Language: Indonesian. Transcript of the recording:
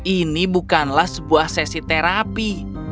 ini bukanlah sebuah sesi terapi